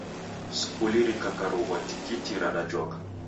Skuli rikakarughwa tikiti radajoka.